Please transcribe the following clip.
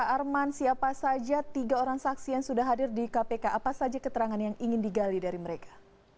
arman siapa saja tiga orang saksi yang sudah hadir di kpk apa saja keterangan yang ingin digali dari mereka